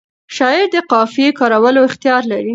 شاعر د قافیه کارولو اختیار لري.